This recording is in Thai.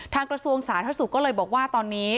กระทรวงสาธารณสุขก็เลยบอกว่าตอนนี้